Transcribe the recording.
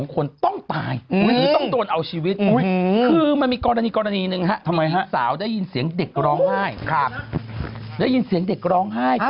พระเจ้าทำไมไปถีบอย่างนั้นนะ